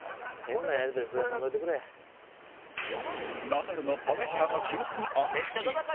ナダルのパワハラが記憶に新しい